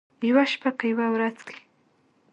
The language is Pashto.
یوه شپه که یوه ورځ کې،